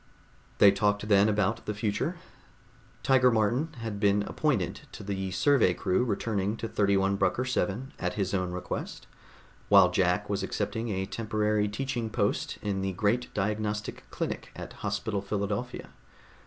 They talked then about the future. Tiger Martin had been appointed to the survey crew returning to 31 Brucker VII, at his own request, while Jack was accepting a temporary teaching post in the great diagnostic clinic at Hospital Philadelphia.